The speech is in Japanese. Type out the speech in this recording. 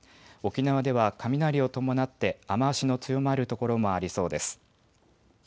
沖縄では雷を伴って雨足の強まる所もありそうです。